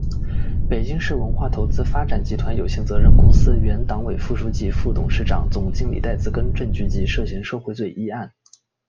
北京市文化投资发展集团有限责任公司原党委副书记、副董事长、总经理戴自更（正局级）涉嫌受贿罪一案